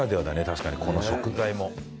確かにこの食材も。